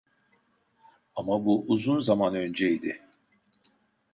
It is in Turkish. Ama bu uzun zaman önceydi.